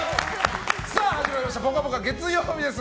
始まりました「ぽかぽか」月曜日です。